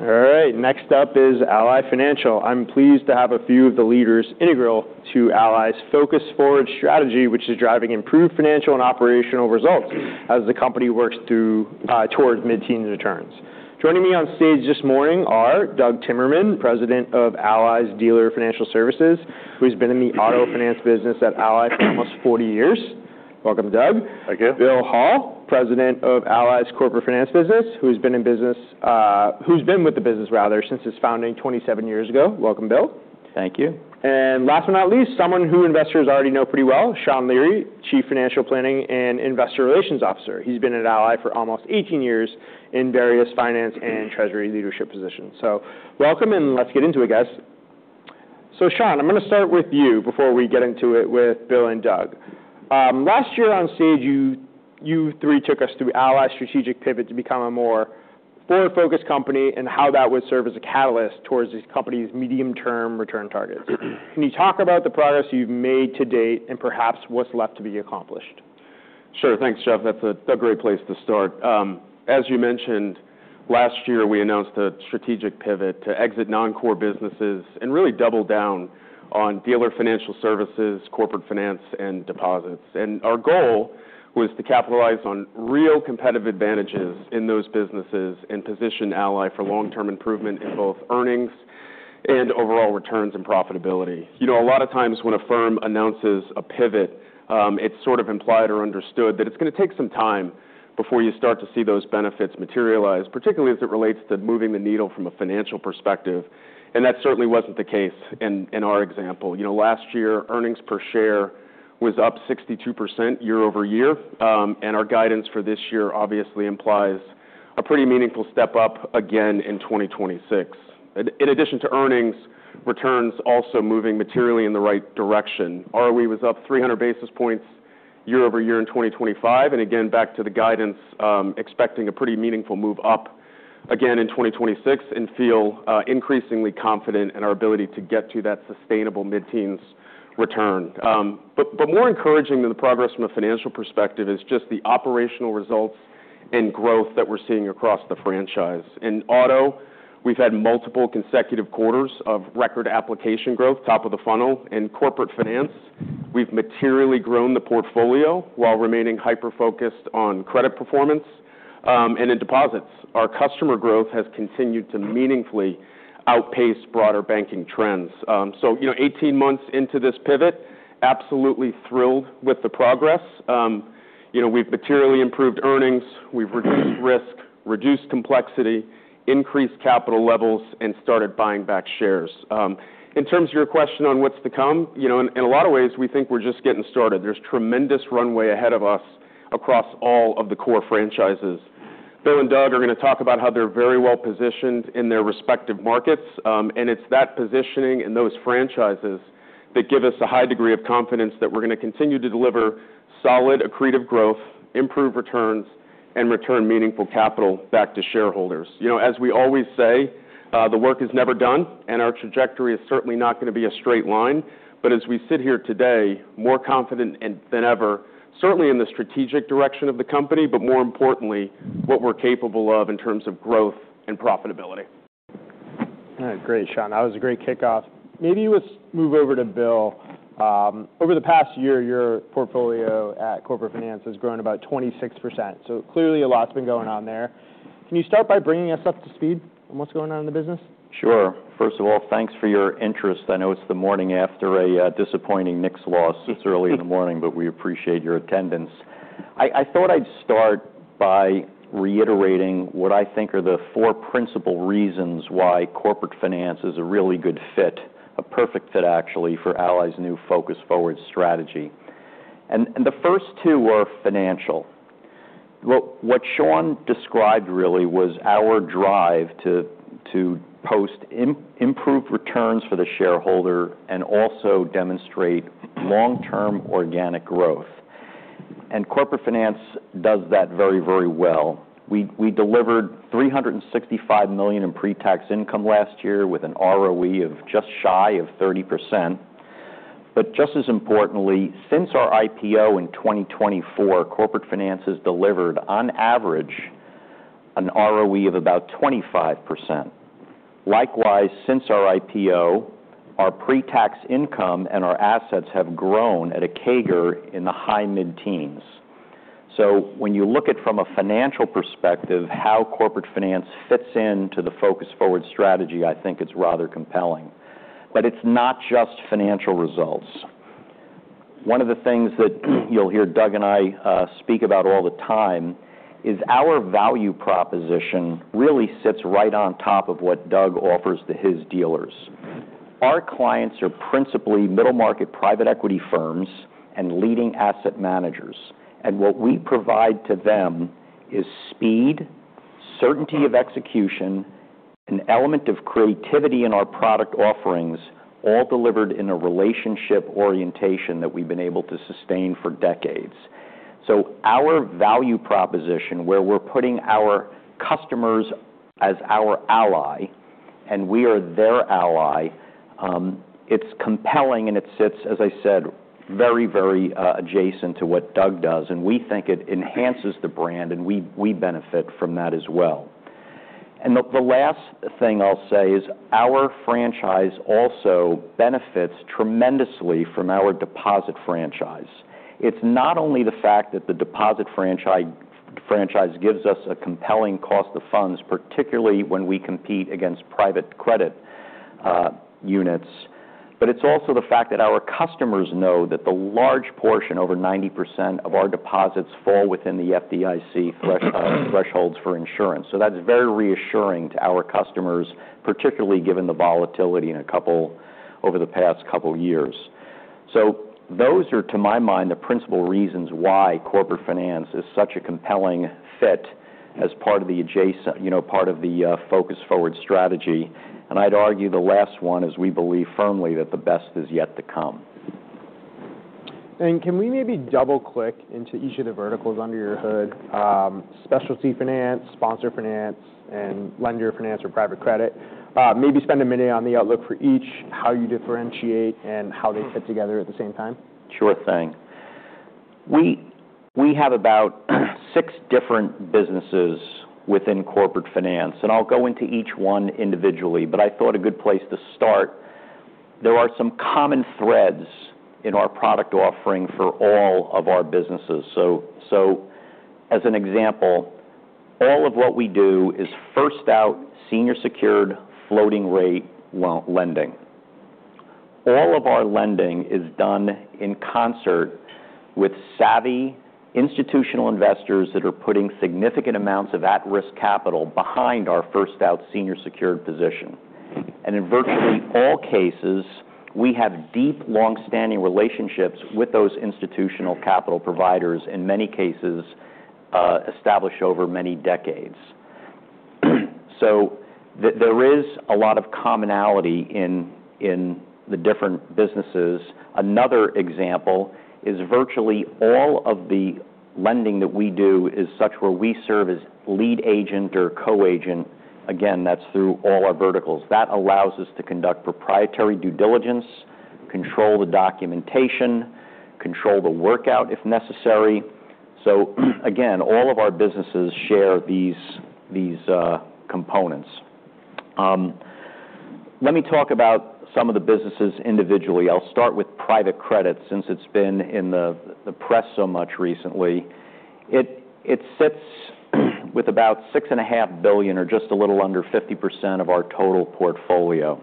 All right. Next up is Ally Financial. I'm pleased to have a few of the leaders integral to Ally's Focus Forward strategy, which is driving improved financial and operational results as the company works towards mid-teen returns. Joining me on stage this morning are Doug Timmerman, President of Ally's Dealer Financial Services, who's been in the auto finance business at Ally for almost 40 years. Welcome, Doug. Thank you. Bill Hall, President of Ally's Corporate Finance business, who's been with the business since its founding 27 years ago. Welcome, Bill. Thank you. Last but not least, someone who investors already know pretty well, Sean Leary, Chief Financial Planning and Investor Relations Officer. He has been at Ally for almost 18 years in various finance and treasury leadership positions. Welcome, and let's get into it, guys. Sean, I am going to start with you before we get into it with Bill and Doug. Last year on stage, you three took us through Ally's strategic pivot to become a more forward-focused company, and how that would serve as a catalyst towards this company's medium-term return targets. Can you talk about the progress you've made to date, and perhaps what's left to be accomplished? Sure. Thanks, Jeff. That's a great place to start. As you mentioned, last year, we announced a strategic pivot to exit non-core businesses and really double down on Dealer Financial Services, Corporate Finance, and deposits. Our goal was to capitalize on real competitive advantages in those businesses and position Ally for long-term improvement in both earnings and overall returns and profitability. A lot of times when a firm announces a pivot, it's sort of implied or understood that it's going to take some time before you start to see those benefits materialize, particularly as it relates to moving the needle from a financial perspective. That certainly wasn't the case in our example. Last year, earnings per share was up 62% year-over-year. Our guidance for this year obviously implies a pretty meaningful step up again in 2026. In addition to earnings, returns also moving materially in the right direction. ROE was up 300 basis points year-over-year in 2025, and again back to the guidance, expecting a pretty meaningful move up again in 2026, and feel increasingly confident in our ability to get to that sustainable mid-teens return. More encouraging than the progress from a financial perspective is just the operational results and growth that we're seeing across the franchise. In auto, we've had multiple consecutive quarters of record application growth, top of the funnel. In Corporate Finance, we've materially grown the portfolio while remaining hyper-focused on credit performance. In deposits, our customer growth has continued to meaningfully outpace broader banking trends. 18 months into this pivot, absolutely thrilled with the progress. We've materially improved earnings, we've reduced risk, reduced complexity, increased capital levels, and started buying back shares. In terms of your question on what's to come, in a lot of ways, we think we're just getting started. There's tremendous runway ahead of us across all of the core franchises. Bill and Doug are going to talk about how they're very well-positioned in their respective markets. It's that positioning and those franchises that give us a high degree of confidence that we're going to continue to deliver solid accretive growth, improve returns, and return meaningful capital back to shareholders. As we always say, the work is never done, and our trajectory is certainly not going to be a straight line. But as we sit here today, more confident than ever, certainly in the strategic direction of the company, but more importantly, what we're capable of in terms of growth and profitability. All right. Great, Sean. That was a great kickoff. Maybe let's move over to Bill. Over the past year, your portfolio at Corporate Finance has grown about 26%. Clearly a lot's been going on there. Can you start by bringing us up to speed on what's going on in the business? Sure. First of all, thanks for your interest. I know it's the morning after a disappointing Knicks loss. It's early in the morning, we appreciate your attendance. I thought I'd start by reiterating what I think are the four principal reasons why Corporate Finance is a really good fit, a perfect fit actually, for Ally's new Focus Forward strategy. The first two are financial. What Sean described really was our drive to post improved returns for the shareholder and also demonstrate long-term organic growth. Corporate Finance does that very well. We delivered $365 million in pre-tax income last year with an ROE of just shy of 30%. Just as importantly, since our IPO in 2024, Corporate Finance has delivered on average an ROE of about 25%. Likewise, since our IPO, our pre-tax income and our assets have grown at a CAGR in the high mid-teens. When you look at from a financial perspective how Corporate Finance fits into the Focus Forward strategy, I think it's rather compelling. It's not just financial results. One of the things that you'll hear Doug and I speak about all the time is our value proposition really sits right on top of what Doug offers to his dealers. Our clients are principally middle-market private equity firms and leading asset managers. What we provide to them is speed, certainty of execution, an element of creativity in our product offerings, all delivered in a relationship orientation that we've been able to sustain for decades. Our value proposition, where we're putting our customers as our ally We are their ally. It's compelling, and it sits, as I said, very adjacent to what Doug does. We think it enhances the brand, and we benefit from that as well. The last thing I'll say is our franchise also benefits tremendously from our deposit franchise. It's not only the fact that the deposit franchise gives us a compelling cost of funds, particularly when we compete against private credit units. It's also the fact that our customers know that the large portion, over 90%, of our deposits fall within the FDIC thresholds for insurance. That's very reassuring to our customers, particularly given the volatility over the past couple of years. Those are, to my mind, the principal reasons why Corporate Finance is such a compelling fit as part of the Focus Forward strategy. I'd argue the last one is we believe firmly that the best is yet to come. Can we maybe double-click into each of the verticals under your hood, specialty finance, sponsor finance, and lender finance or private credit? Maybe spend a minute on the outlook for each, how you differentiate, and how they fit together at the same time. Sure thing. We have about six different businesses within Corporate Finance, I'll go into each one individually. I thought a good place to start, there are some common threads in our product offering for all of our businesses. As an example, all of what we do is first-out, senior-secured floating rate lending. All of our lending is done in concert with savvy institutional investors that are putting significant amounts of at-risk capital behind our first-out senior secured position. In virtually all cases, we have deep, long-standing relationships with those institutional capital providers, in many cases, established over many decades. There is a lot of commonality in the different businesses. Another example is virtually all of the lending that we do is such where we serve as lead agent or co-agent. Again, that's through all our verticals. That allows us to conduct proprietary due diligence, control the documentation, control the workout if necessary. Again, all of our businesses share these components. Let me talk about some of the businesses individually. I'll start with private credit since it's been in the press so much recently. It sits with about six and a half billion or just a little under 50% of our total portfolio.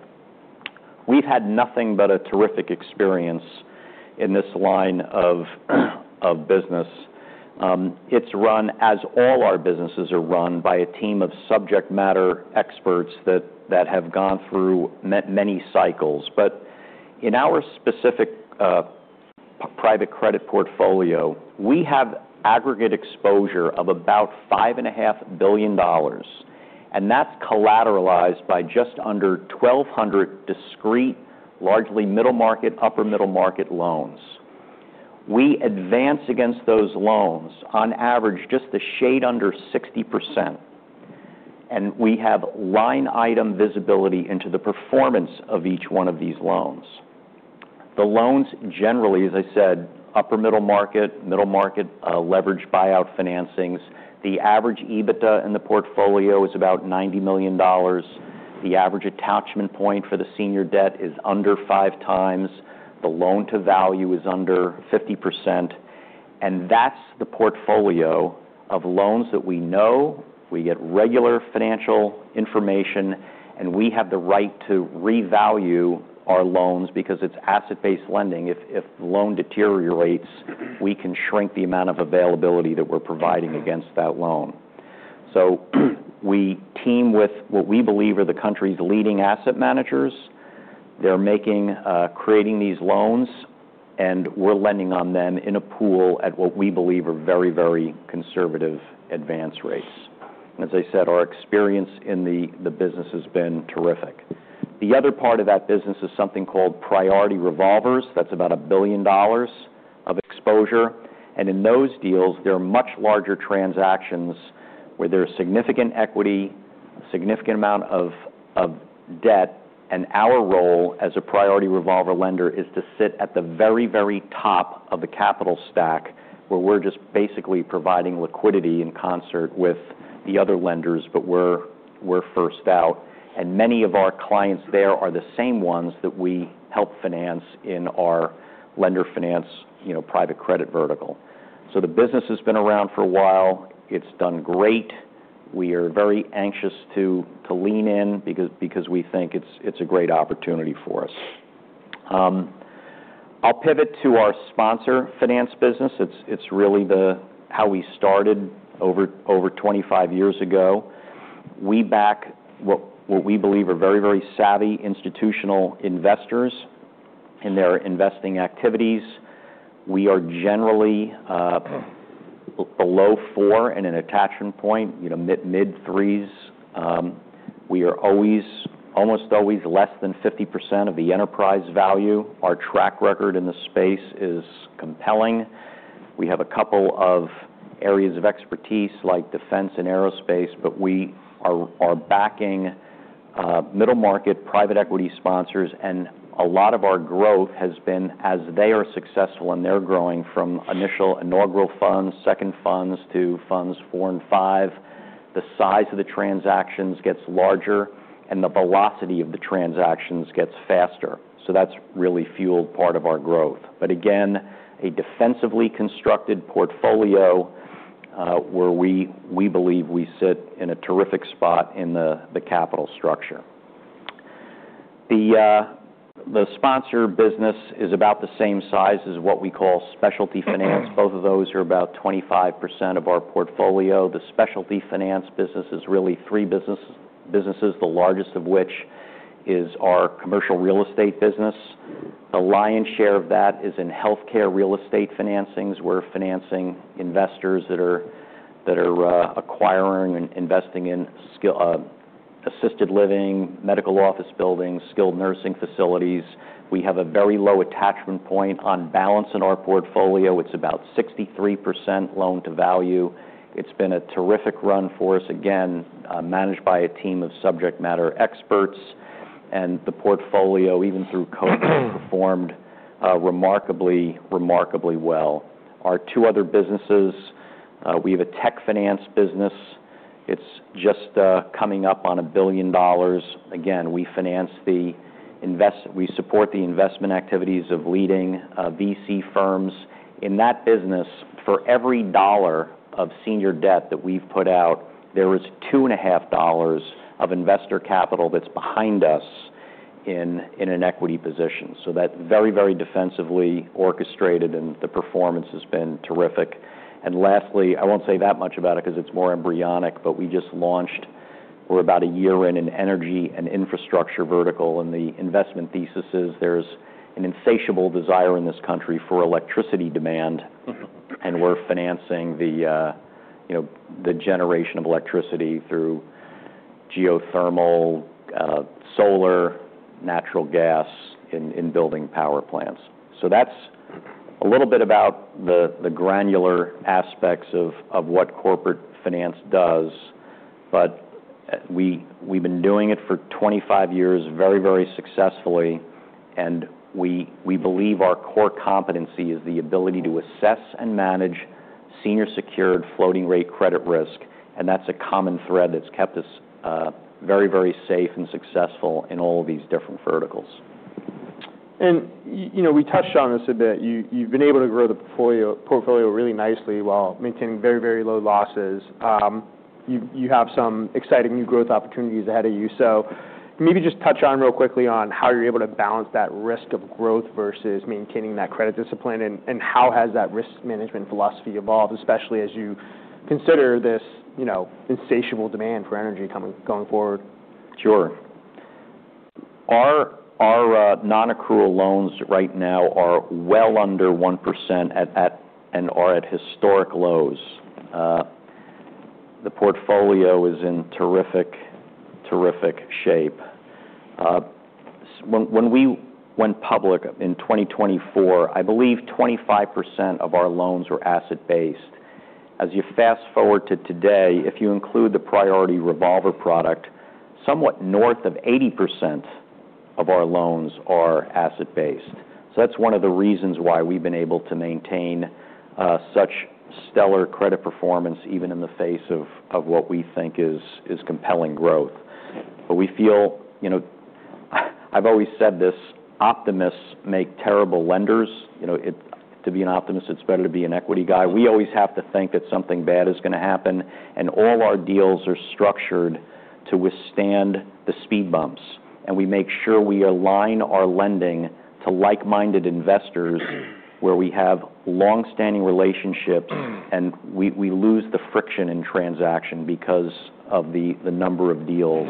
We've had nothing but a terrific experience in this line of business. It's run as all our businesses are run by a team of subject matter experts that have gone through many cycles. In our specific private credit portfolio, we have aggregate exposure of about $5.5 billion, and that's collateralized by just under 1,200 discrete, largely middle-market, upper middle-market loans. We advance against those loans on average just a shade under 60%. We have line item visibility into the performance of each one of these loans. The loans generally, as I said, upper middle market, middle market leverage buyout financings. The average EBITDA in the portfolio is about $90 million. The average attachment point for the senior debt is under five times. The loan-to-value is under 50%. That's the portfolio of loans that we know we get regular financial information. We have the right to revalue our loans because it's asset-based lending. If the loan deteriorates, we can shrink the amount of availability that we're providing against that loan. We team with what we believe are the country's leading asset managers. They're creating these loans. We're lending on them in a pool at what we believe are very conservative advance rates. As I said, our experience in the business has been terrific. The other part of that business is something called Priority Revolvers. That's about $1 billion of exposure. In those deals, there are much larger transactions where there's significant equity, significant amount of debt. Our role as a priority revolver lender is to sit at the very top of the capital stack where we're just basically providing liquidity in concert with the other lenders. We're first out. Many of our clients there are the same ones that we help finance in our lender finance private credit vertical. The business has been around for a while. It's done great. We are very anxious to lean in because we think it's a great opportunity for us. I'll pivot to our sponsor finance business. It's really how we started over 25 years ago. We back what we believe are very savvy institutional investors in their investing activities. We are generally below four in an attachment point, mid-threes. We are almost always less than 50% of the enterprise value. Our track record in the space is compelling. We have a couple of areas of expertise like defense and aerospace. We are backing middle-market private equity sponsors. A lot of our growth has been as they are successful and they're growing from initial inaugural funds, second funds to funds four and five. The size of the transactions gets larger and the velocity of the transactions gets faster. That's really fueled part of our growth. Again, a defensively constructed portfolio, where we believe we sit in a terrific spot in the capital structure. The sponsor business is about the same size as what we call specialty finance. Both of those are about 25% of our portfolio. The specialty finance business is really three businesses, the largest of which is our commercial real estate business. The lion's share of that is in healthcare real estate financings. We're financing investors that are acquiring and investing in assisted living, medical office buildings, skilled nursing facilities. We have a very low attachment point on balance in our portfolio. It's about 63% loan-to-value. It's been a terrific run for us, again, managed by a team of subject matter experts. The portfolio, even through COVID, performed remarkably well. Our two other businesses, we have a tech finance business. It's just coming up on $1 billion. Again, we support the investment activities of leading VC firms. In that business, for every dollar of senior debt that we've put out, there was $2.5 of investor capital that's behind us in an equity position. That very defensively orchestrated. The performance has been terrific. Lastly, I won't say that much about it because it's more embryonic, but we just launched. We're about a year in an energy and infrastructure vertical. The investment thesis is there's an insatiable desire in this country for electricity demand, and we're financing the generation of electricity through geothermal, solar, natural gas in building power plants. That's a little bit about the granular aspects of what Corporate Finance does. We've been doing it for 25 years very successfully, and we believe our core competency is the ability to assess and manage senior secured floating rate credit risk, and that's a common thread that's kept us very safe and successful in all these different verticals. We touched on this a bit. You've been able to grow the portfolio really nicely while maintaining very low losses. You have some exciting new growth opportunities ahead of you. Maybe just touch on real quickly on how you're able to balance that risk of growth versus maintaining that credit discipline, and how has that risk management philosophy evolved, especially as you consider this insatiable demand for energy going forward? Sure. Our non-accrual loans right now are well under 1% and are at historic lows. The portfolio is in terrific shape. When we went public in 2024, I believe 25% of our loans were asset-based. As you fast-forward to today, if you include the Priority Revolvers product, somewhat north of 80% of our loans are asset-based. That's one of the reasons why we've been able to maintain such stellar credit performance, even in the face of what we think is compelling growth. I've always said this, optimists make terrible lenders. To be an optimist, it's better to be an equity guy. We always have to think that something bad is going to happen, and all our deals are structured to withstand the speed bumps. We make sure we align our lending to like-minded investors where we have long-standing relationships, and we lose the friction in transaction because of the number of deals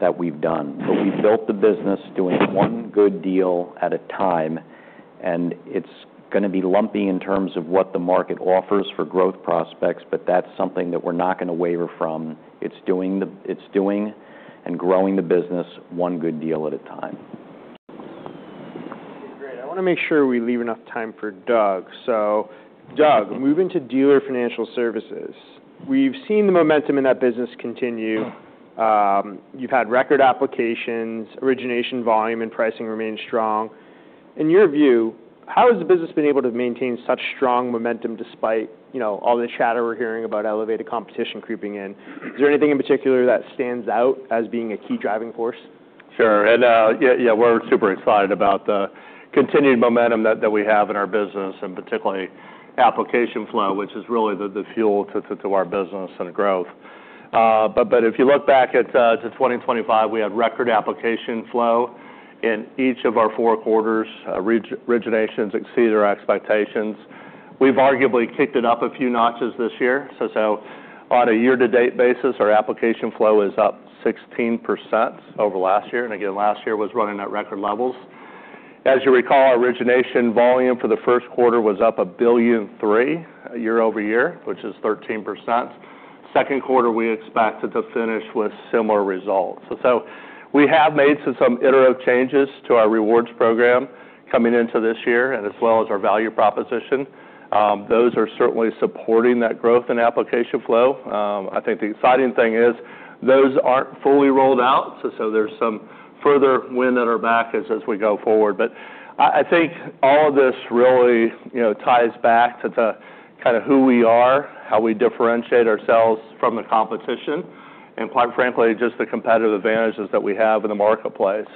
that we've done. We built the business doing one good deal at a time, and it's going to be lumpy in terms of what the market offers for growth prospects, but that's something that we're not going to waver from. It's doing and growing the business one good deal at a time. Great. I want to make sure we leave enough time for Doug. Doug, moving to Dealer Financial Services. We've seen the momentum in that business continue. You've had record applications, origination volume, and pricing remains strong. In your view, how has the business been able to maintain such strong momentum despite all the chatter we're hearing about elevated competition creeping in? Is there anything in particular that stands out as being a key driving force? Sure. Yeah, we're super excited about the continued momentum that we have in our business, and particularly application flow, which is really the fuel to our business and growth. If you look back at 2025, we had record application flow in each of our four quarters. Originations exceed our expectations. We've arguably kicked it up a few notches this year. On a year-to-date basis, our application flow is up 16% over last year. Again, last year was running at record levels. As you recall, our origination volume for the first quarter was up $1.3 billion year-over-year, which is 13%. Second quarter, we expected to finish with similar results. We have made some iterative changes to our rewards program coming into this year and as well as our value proposition. Those are certainly supporting that growth in application flow. I think the exciting thing is those aren't fully rolled out, there's some further wind at our back as we go forward. I think all of this really ties back to the kind of who we are, how we differentiate ourselves from the competition, and quite frankly, just the competitive advantages that we have in the marketplace.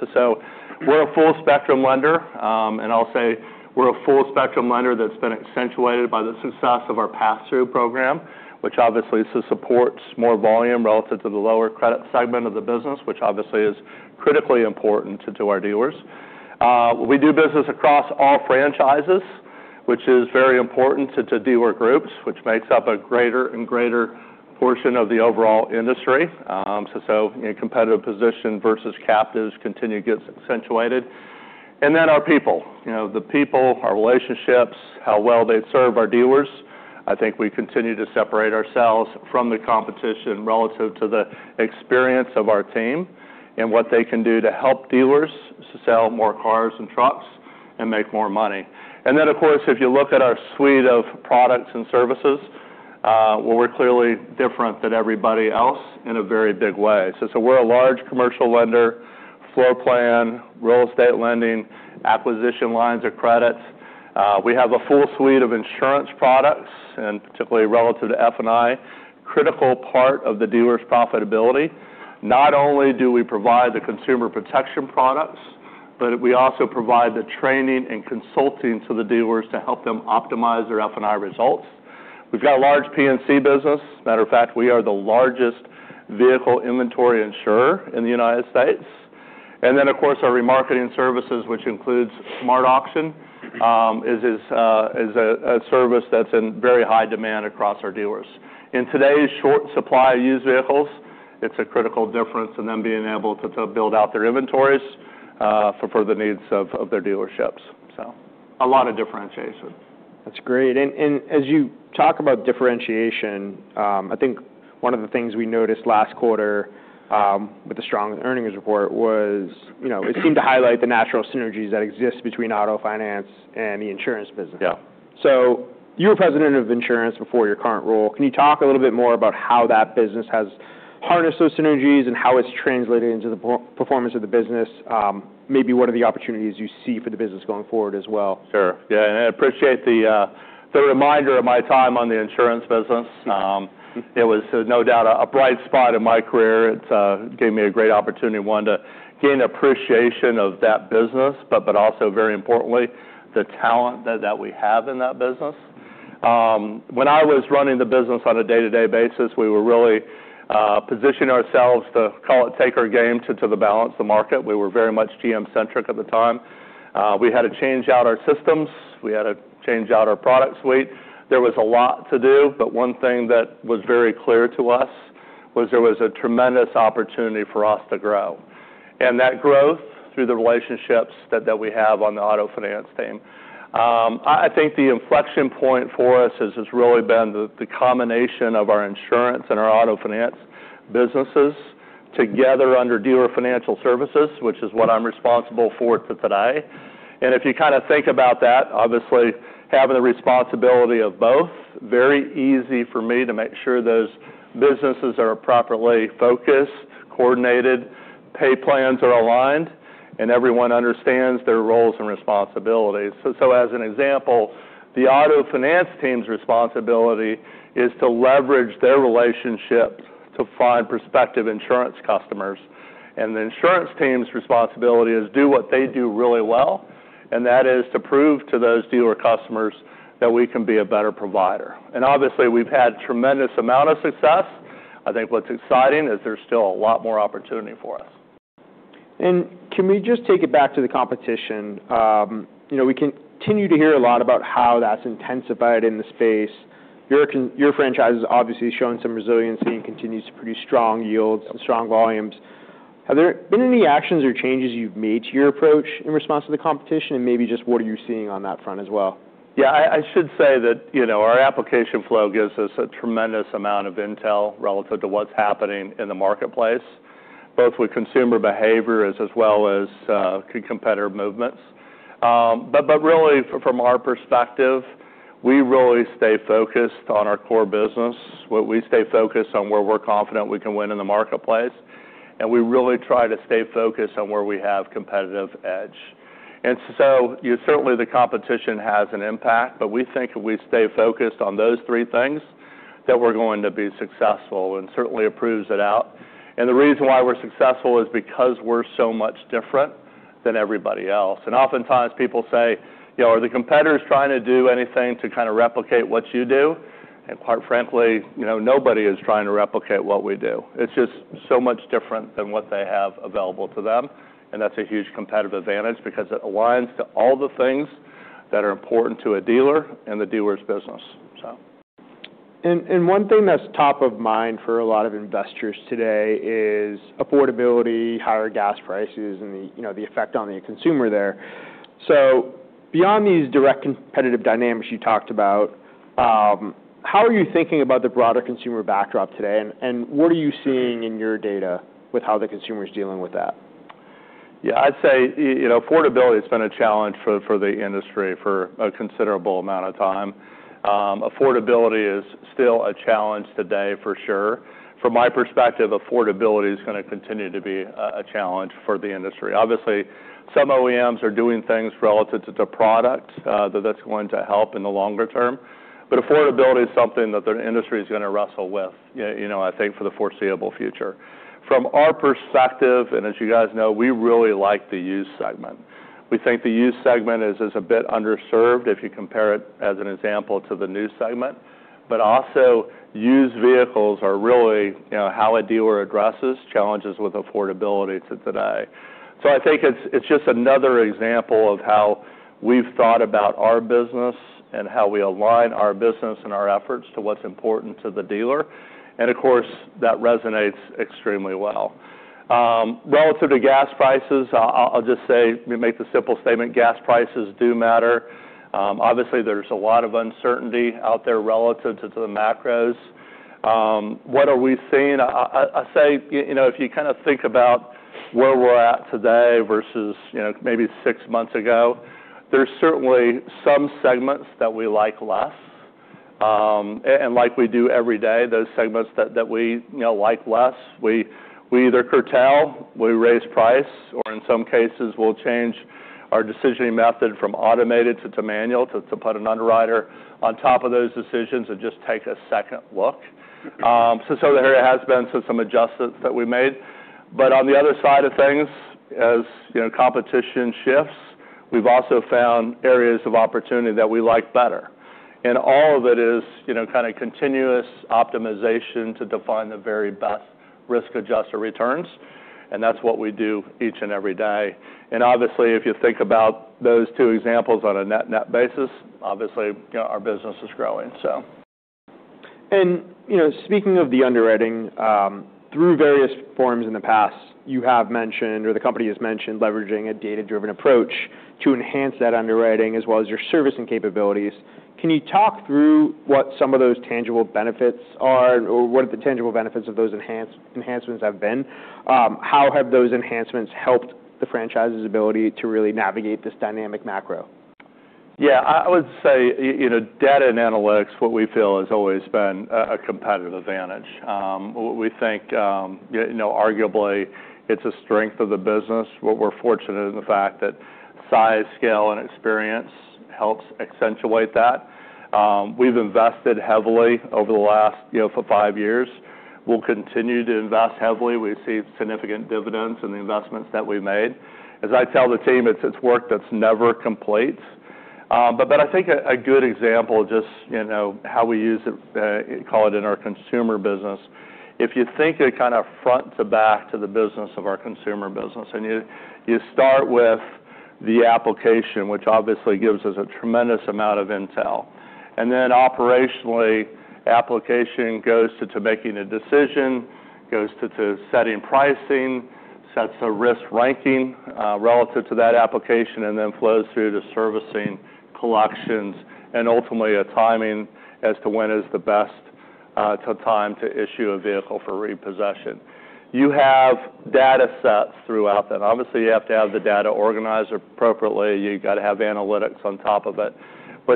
We're a full-spectrum lender, and I'll say we're a full-spectrum lender that's been accentuated by the success of our pass-through program, which obviously supports more volume relative to the lower credit segment of the business, which obviously is critically important to our dealers. We do business across all franchises, which is very important to dealer groups, which makes up a greater and greater portion of the overall industry. Competitive position versus captives continue to get accentuated. Then our people. The people, our relationships, how well they serve our dealers. I think we continue to separate ourselves from the competition relative to the experience of our team and what they can do to help dealers sell more cars and trucks and make more money. Of course, if you look at our suite of products and services, well, we're clearly different than everybody else in a very big way. We're a large commercial lender, floor plan, real estate lending, acquisition lines of credits. We have a full suite of insurance products and particularly relative to F&I, critical part of the dealer's profitability. Not only do we provide the consumer protection products, but we also provide the training and consulting to the dealers to help them optimize their F&I results. We've got a large P&C business. Matter of fact, we are the largest vehicle inventory insurer in the U.S. Of course, our remarketing services, which includes SmartAuction, is a service that's in very high demand across our dealers. In today's short supply of used vehicles, it's a critical difference to them being able to build out their inventories for the needs of their dealerships. A lot of differentiation. That's great. As you talk about differentiation, I think one of the things we noticed last quarter with a strong earnings report was it seemed to highlight the natural synergies that exist between auto finance and the insurance business. Yeah. You were president of insurance before your current role. Can you talk a little bit more about how that business has harnessed those synergies and how it's translated into the performance of the business? Maybe what are the opportunities you see for the business going forward as well? Sure. Yeah, I appreciate the reminder of my time on the insurance business. It was no doubt a bright spot in my career. It gave me a great opportunity, one, to gain appreciation of that business, but also very importantly, the talent that we have in that business. When I was running the business on a day-to-day basis, we were really positioning ourselves to, call it, take our game to the balance, the market. We were very much GM-centric at the time. We had to change out our systems. We had to change out our product suite. There was a lot to do, but one thing that was very clear to us was there was a tremendous opportunity for us to grow. That growth through the relationships that we have on the auto finance team. I think the inflection point for us has just really been the combination of our insurance and our auto finance businesses together under Dealer Financial Services, which is what I'm responsible for today. If you kind of think about that, obviously having the responsibility of both, very easy for me to make sure those businesses are properly focused, coordinated, pay plans are aligned, and everyone understands their roles and responsibilities. As an example, the auto finance team's responsibility is to leverage their relationships to find prospective insurance customers. The insurance team's responsibility is do what they do really well, and that is to prove to those dealer customers that we can be a better provider. Obviously, we've had tremendous amount of success. I think what's exciting is there's still a lot more opportunity for us. Can we just take it back to the competition? We continue to hear a lot about how that's intensified in the space. Your franchise is obviously showing some resiliency and continues to produce strong yields and strong volumes. Have there been any actions or changes you've made to your approach in response to the competition? Maybe just what are you seeing on that front as well? Yeah, I should say that our application flow gives us a tremendous amount of intel relative to what's happening in the marketplace, both with consumer behavior as well as competitor movements. Really from our perspective, we really stay focused on our core business. We stay focused on where we're confident we can win in the marketplace, and we really try to stay focused on where we have competitive edge. Certainly, the competition has an impact, but we think if we stay focused on those three things, that we're going to be successful, and certainly it proves it out. The reason why we're successful is because we're so much different than everybody else. Oftentimes people say, "Are the competitors trying to do anything to kind of replicate what you do?" Quite frankly, nobody is trying to replicate what we do. It's just so much different than what they have available to them, and that's a huge competitive advantage because it aligns to all the things that are important to a dealer and the dealer's business. One thing that's top of mind for a lot of investors today is affordability, higher gas prices, and the effect on the consumer there. Beyond these direct competitive dynamics you talked about, how are you thinking about the broader consumer backdrop today, and what are you seeing in your data with how the consumer is dealing with that? I'd say, affordability has been a challenge for the industry for a considerable amount of time. Affordability is still a challenge today, for sure. From my perspective, affordability is going to continue to be a challenge for the industry. Obviously, some OEMs are doing things relative to product that's going to help in the longer term. Affordability is something that the industry is going to wrestle with, I think, for the foreseeable future. From our perspective, and as you guys know, we really like the used segment. We think the used segment is a bit underserved if you compare it as an example to the new segment. Also, used vehicles are really how a dealer addresses challenges with affordability today. I think it's just another example of how we've thought about our business and how we align our business and our efforts to what's important to the dealer. Of course, that resonates extremely well. Relative to gas prices, I'll just say, let me make the simple statement, gas prices do matter. Obviously, there's a lot of uncertainty out there relative to the macros. What are we seeing? I say, if you kind of think about where we're at today versus maybe six months ago, there's certainly some segments that we like less. Like we do every day, those segments that we like less, we either curtail, we raise price, or in some cases, we'll change our decisioning method from automated to manual, to put an underwriter on top of those decisions and just take a second look. There has been some adjustments that we made. On the other side of things, as competition shifts, we've also found areas of opportunity that we like better. All of it is kind of continuous optimization to define the very best risk-adjusted returns, and that's what we do each and every day. Obviously, if you think about those two examples on a net-net basis, obviously our business is growing. Speaking of the underwriting, through various forms in the past, you have mentioned, or the company has mentioned leveraging a data-driven approach to enhance that underwriting as well as your servicing capabilities. Can you talk through what some of those tangible benefits are, or what the tangible benefits of those enhancements have been? How have those enhancements helped the franchise's ability to really navigate this dynamic macro? Yeah, I would say, data and analytics, what we feel has always been a competitive advantage. We think arguably it's a strength of the business. We're fortunate in the fact that size, scale, and experience helps accentuate that. We've invested heavily over the last five years. We'll continue to invest heavily. We see significant dividends in the investments that we've made. As I tell the team, it's work that's never complete. I think a good example of just how we use it, call it in our consumer business. If you think it kind of front to back to the business of our consumer business, you start with the application, which obviously gives us a tremendous amount of intel. Operationally, application goes to making a decision, goes to setting pricing, sets a risk ranking relative to that application, then flows through to servicing, collections, and ultimately a timing as to when is the best time to issue a vehicle for repossession. You have data sets throughout that. Obviously, you have to have the data organized appropriately. You got to have analytics on top of it.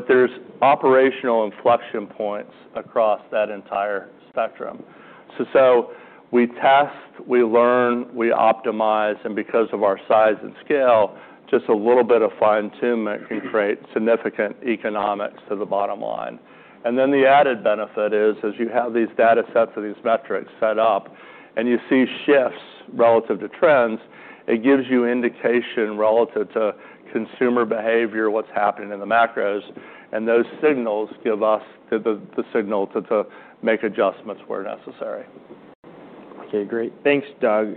There's operational inflection points across that entire spectrum. We test, we learn, we optimize, and because of our size and scale, just a little bit of fine-tuning can create significant economics to the bottom line. The added benefit is, as you have these data sets or these metrics set up and you see shifts relative to trends, it gives you indication relative to consumer behavior, what's happening in the macros, and those signals give us the signal to make adjustments where necessary. Okay, great. Thanks, Doug.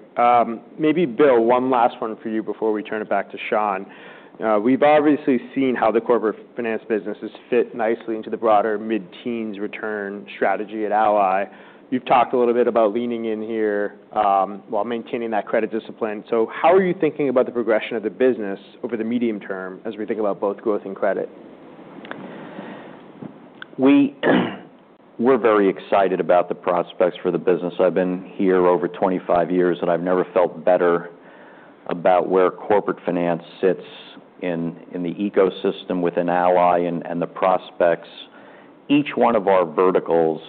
Maybe Bill, one last one for you before we turn it back to Sean. We've obviously seen how the Corporate Finance businesses fit nicely into the broader mid-teens return strategy at Ally. You've talked a little bit about leaning in here while maintaining that credit discipline. How are you thinking about the progression of the business over the medium term as we think about both growth and credit? We're very excited about the prospects for the business. I've been here over 25 years, and I've never felt better about where Corporate Finance sits in the ecosystem within Ally and the prospects. Each one of our verticals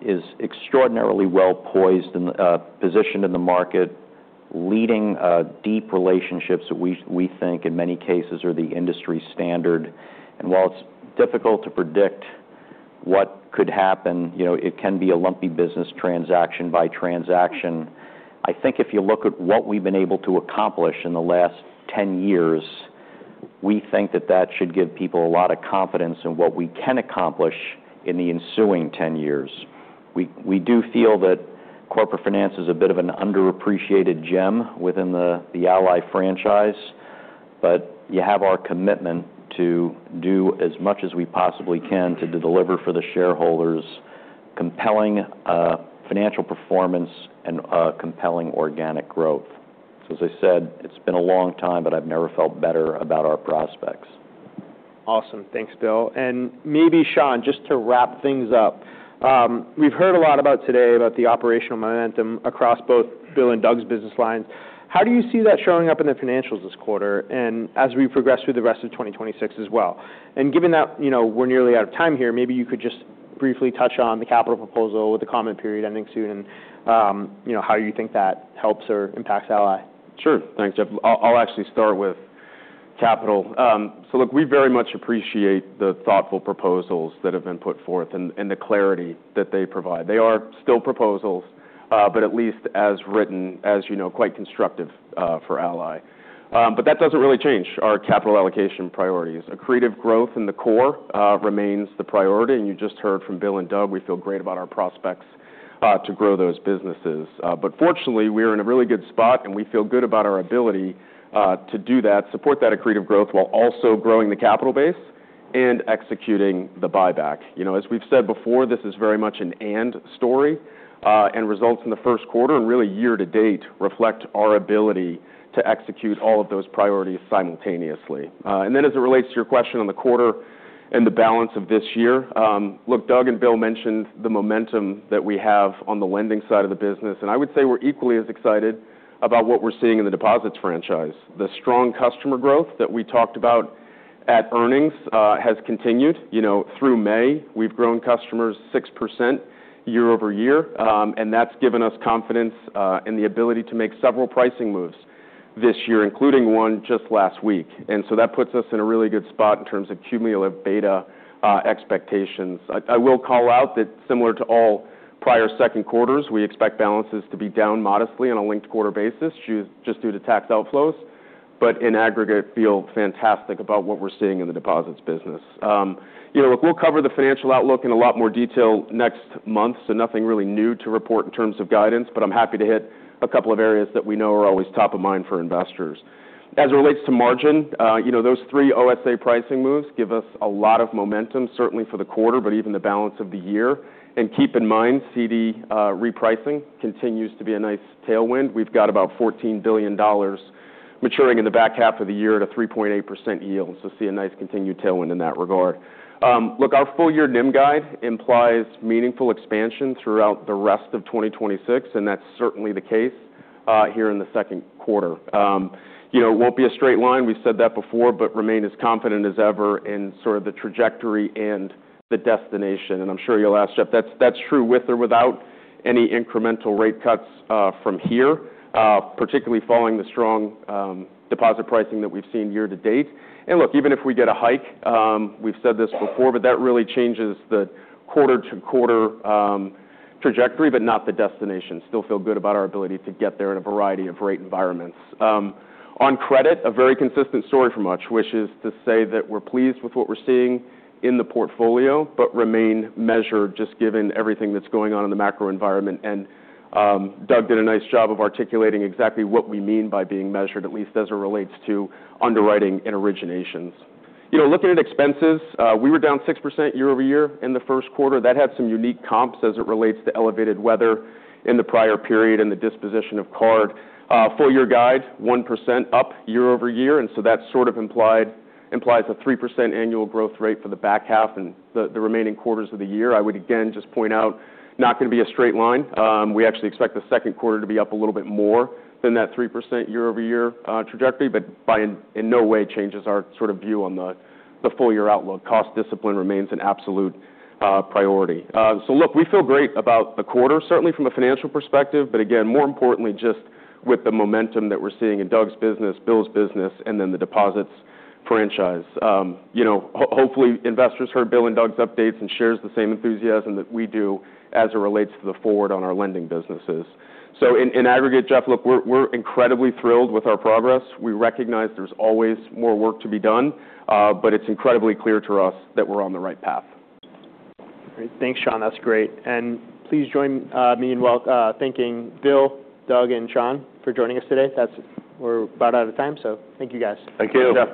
is extraordinarily well-positioned in the market, leading deep relationships that we think in many cases are the industry standard. While it's difficult to predict what could happen, it can be a lumpy business transaction by transaction. I think if you look at what we've been able to accomplish in the last 10 years, we think that should give people a lot of confidence in what we can accomplish in the ensuing 10 years. We do feel that Corporate Finance is a bit of an underappreciated gem within the Ally franchise. You have our commitment to do as much as we possibly can to deliver for the shareholders compelling financial performance and compelling organic growth. As I said, it's been a long time, but I've never felt better about our prospects. Awesome. Thanks, Bill. Maybe Sean, just to wrap things up. We've heard a lot today about the operational momentum across both Bill and Doug's business lines. How do you see that showing up in the financials this quarter, and as we progress through the rest of 2026 as well? Given that we're nearly out of time here, maybe you could just briefly touch on the capital proposal with the comment period ending soon, and how you think that helps or impacts Ally. Thanks, Jeff. I'll actually start with capital. Look, we very much appreciate the thoughtful proposals that have been put forth and the clarity that they provide. They are still proposals, but at least as written, as you know, quite constructive for Ally. That doesn't really change our capital allocation priorities. Accretive growth in the core remains the priority. You just heard from Bill and Doug, we feel great about our prospects to grow those businesses. Fortunately, we are in a really good spot, and we feel good about our ability to do that, support that accretive growth while also growing the capital base and executing the buyback. As we've said before, this is very much an and story. Results in the first quarter and really year-to-date reflect our ability to execute all of those priorities simultaneously. As it relates to your question on the quarter and the balance of this year, look, Doug and Bill mentioned the momentum that we have on the lending side of the business, and I would say we're equally as excited about what we're seeing in the deposits franchise. The strong customer growth that we talked about at earnings has continued through May. We've grown customers 6% year-over-year. That's given us confidence in the ability to make several pricing moves this year, including one just last week. That puts us in a really good spot in terms of cumulative beta expectations. I will call out that similar to all prior second quarters, we expect balances to be down modestly on a linked quarter basis just due to tax outflows, but in aggregate, feel fantastic about what we're seeing in the deposits business. Look, we'll cover the financial outlook in a lot more detail next month. Nothing really new to report in terms of guidance, but I'm happy to hit a couple of areas that we know are always top of mind for investors. As it relates to margin, those three OSA pricing moves give us a lot of momentum, certainly for the quarter, but even the balance of the year. Keep in mind, CD repricing continues to be a nice tailwind. We've got about $14 billion maturing in the back half of the year at a 3.8% yield. See a nice continued tailwind in that regard. Look, our full-year NIM guide implies meaningful expansion throughout the rest of 2026. That's certainly the case here in the second quarter. It won't be a straight line, we've said that before. Remain as confident as ever in sort of the trajectory and the destination. I'm sure you'll ask, Jeff, that's true with or without any incremental rate cuts from here, particularly following the strong deposit pricing that we've seen year-to-date. Even if we get a hike, we've said this before. That really changes the quarter-to-quarter trajectory but not the destination. Still feel good about our ability to get there in a variety of rate environments. On credit, a very consistent story from us, which is to say that we're pleased with what we're seeing in the portfolio but remain measured just given everything that's going on in the macro environment. Doug did a nice job of articulating exactly what we mean by being measured, at least as it relates to underwriting and originations. Looking at expenses, we were down 6% year-over-year in the first quarter. That had some unique comps as it relates to elevated weather in the prior period and the disposition of card. Full-year guide, 1% up year-over-year, that sort of implies a 3% annual growth rate for the back half and the remaining quarters of the year. I would again just point out, not going to be a straight line. We actually expect the second quarter to be up a little bit more than that 3% year-over-year trajectory, in no way changes our sort of view on the full-year outlook. Cost discipline remains an absolute priority. Look, we feel great about the quarter, certainly from a financial perspective. Again, more importantly, just with the momentum that we're seeing in Doug's business, Bill's business, and then the deposits franchise. Hopefully, investors heard Bill and Doug's updates and shares the same enthusiasm that we do as it relates to the Focus Forward on our lending businesses. In aggregate, Jeff, look, we're incredibly thrilled with our progress. We recognize there's always more work to be done, it's incredibly clear to us that we're on the right path. Great. Thanks, Sean. That's great. Please join me in thanking Bill, Doug, and Sean for joining us today. We're about out of time, thank you, guys. Thank you.